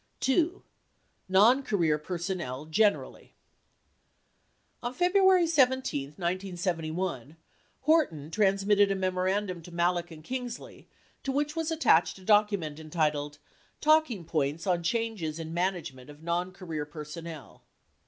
9 2. NON CAREER PERSONNEL GENERALLY On February 17, 1971, Horton transmitted a memorandum to Malek and Kingsley, to which was attached a document entitled "Talking Points on" Changes in Management of Noncareer Person nel."